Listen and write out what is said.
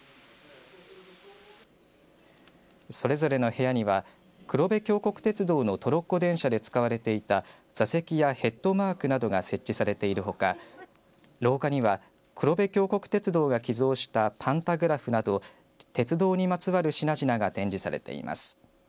それぞれの部屋には黒部峡谷鉄道のトロッコ電車で使われていた座席やヘッドマークなどが設置されているほか廊下には黒部峡谷鉄道が寄贈したパンダグラフなどを鉄道にまつわる品々が展示されています。